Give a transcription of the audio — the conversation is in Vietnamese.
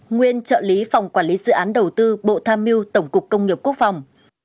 nguyên trợ lý phòng quản lý dự án đầu tư bộ tham mưu tổng cục công nghiệp quốc phòng